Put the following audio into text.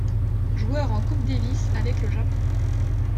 Joueur en Coupe Davis avec le Japon.